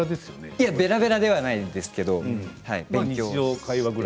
いえべらべらではないんですけれども。